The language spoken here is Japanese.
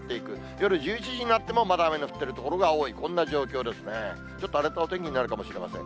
夜１１時になっても、まだ雨の降っている所が多い、こんな状況ですね、ちょっと荒れたお天気になるかもしれません。